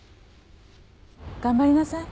頑張りなさい